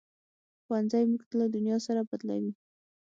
ښوونځی موږ له دنیا سره بلدوي